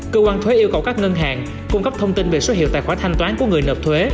cơ quan thuế yêu cầu các ngân hàng cung cấp thông tin về số hiệu tài khoản thanh toán của người nộp thuế